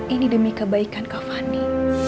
ini demi kebaikan kak fani